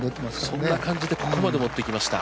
そんな感じでここまで持っていきました。